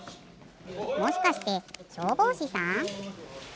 もしかしてしょうぼうしさん？